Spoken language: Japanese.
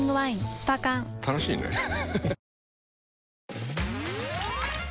スパ缶楽しいねハハハ